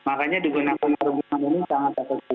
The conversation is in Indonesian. makanya digunakan pertimbangan ini sangat sangat penting